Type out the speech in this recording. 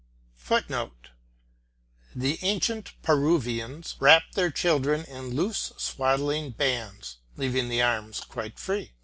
[Footnote: The ancient Peruvians wrapped their children in loose swaddling bands, leaving the arms quite free.